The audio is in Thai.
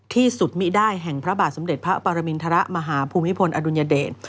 ที่สุดมิได้แห่งพระบาทสมเด็จพระปรมินทรมาหาภูมิพลอดุลยเดช